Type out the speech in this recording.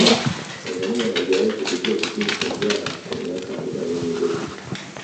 tanzania haijawahi kupitia kipindi cha njaa kwa miaka arobaini iliyopita